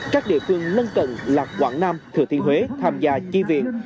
các địa phương lân cận là quảng nam thừa thiên huế tham gia chi viện